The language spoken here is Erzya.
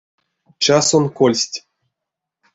Часон кольсть.